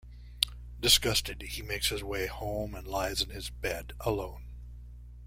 Disgusted, he makes his way home and lies in his bed, alone.